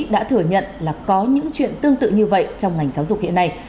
đã thừa nhận là có những chuyện tương tự như vậy trong ngành giáo dục hiện nay